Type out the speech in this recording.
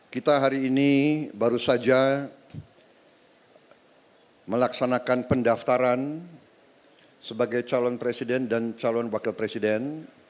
kita hari ini baru saja melaksanakan pendaftaran sebagai calon presiden dan calon wakil presiden